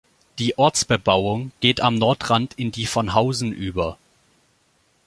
Die Ortsbebauung geht am Nordrand in die von Hausen über.